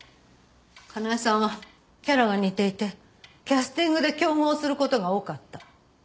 かなえさんはキャラが似ていてキャスティングで競合する事が多かった。